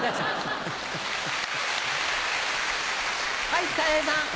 はい。